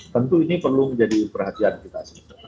tentu ini perlu menjadi perhatian kita